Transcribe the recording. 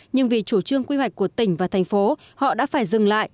nhưng vì chủ trương quy hoạch của tỉnh và thành phố họ đã phải dừng lại